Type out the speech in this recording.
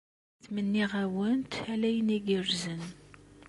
Ttmenniɣ-awent ala ayen igerrzen.